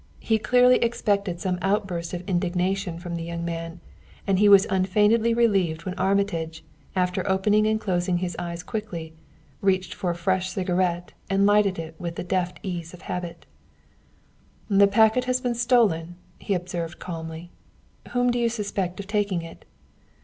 He clearly expected some outburst of indignation from the young man, and he was unfeignedly relieved when Armitage, after opening and closing his eyes quickly, reached for a fresh cigarette and lighted it with the deft ease of habit. "The packet has been stolen," he observed calmly; "whom do you suspect of taking it?"